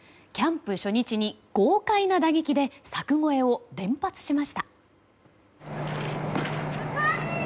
キャンプ初日に豪快な打撃で柵越えを連発しました。